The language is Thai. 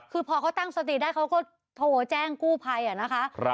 คือพอเขาตั้งสติได้เขาก็โทรแจ้งกู้ภัยนะคะ